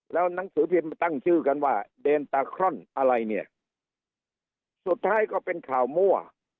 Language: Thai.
แล้วหนังสือพิมพ์ตั้งชื่อกันว่าเดนตาครอนอะไรเนี่ยสุดท้ายก็เป็นข่าวมั่ว